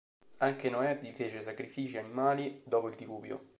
Anche Noè vi fece sacrifici animali dopo il diluvio.